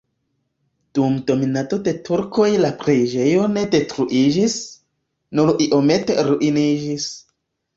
Dum dominado de turkoj la preĝejo ne detruiĝis, nur iomete ruiniĝis.